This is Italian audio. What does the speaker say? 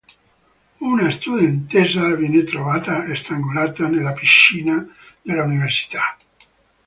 Una studentessa viene trovata strangolata nella piscina dell'università.